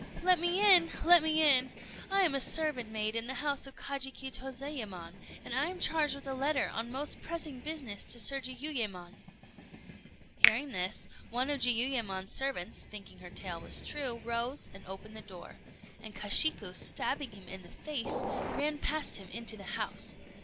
"Let me in! let me in! I am a servant maid in the house of Kajiki Tozayémon, and am charged with a letter on most pressing business to Sir Jiuyémon." Hearing this, one of Jiuyémon's servants, thinking her tale was true, rose and opened the door; and Kashiku, stabbing him in the face, ran past him into the house.